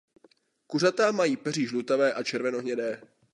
Kuřata mají peří žlutavé a červenohnědé.